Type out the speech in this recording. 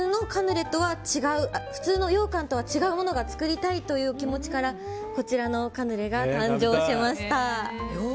普通の羊羹とは違うものを作りたいという気持ちからこちらのカヌレが誕生しました。